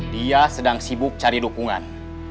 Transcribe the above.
dia sedang sibuk cari dukungan